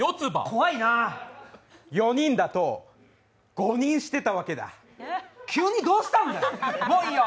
怖いなあ４人だとゴニンしてたわけだ急にどうしたんだよもういいよ！